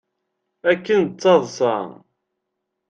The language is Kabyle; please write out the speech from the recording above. Akken d taḍsa.